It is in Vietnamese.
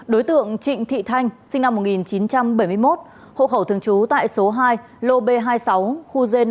đối tượng trịnh thị thanh sinh năm một nghìn chín trăm bảy mươi một hộ khẩu thường trú tại số hai lô b hai mươi sáu khu d năm phường cát giang